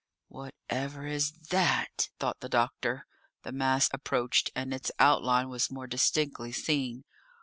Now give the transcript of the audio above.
"Whatever is that?" thought the doctor. The mass approached, and its outline was more distinctly seen.